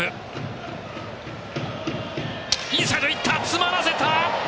詰まらせた！